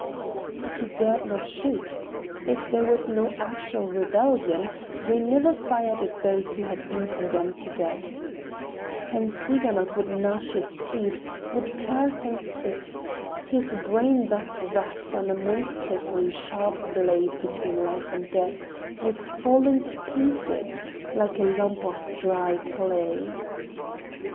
But he dared not shoot. If there was no actual rebellion they never fired at those who had been condemned to death. And Tsiganok would gnash his teeth, would curse and spit. His brain thus racked on a monstrously sharp blade between life and death was falling to pieces like a lump of dry clay.